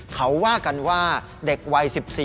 เขาว่ากันว่าเด็กวัย๑๔